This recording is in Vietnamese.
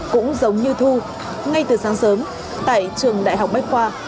cũng giống như thu ngay từ sáng sớm tại trường đại học bách khoa